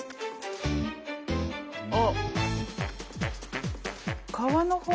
あっ。